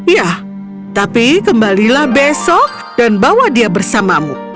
ya tapi kembalilah besok dan bawa dia bersamamu